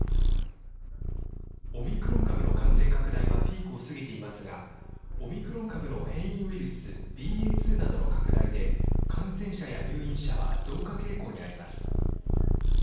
オミクロン株の感染拡大はピークを過ぎていますがオミクロン株の変異ウイルスＢＡ．２などの拡大で感染者や入院者は増加傾向にあります。